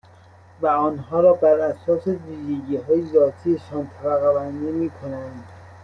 و آنها را بر اساس ویژگیهای ذاتی شان طبقهبندی میکنند